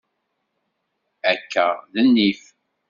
Akka d nnif.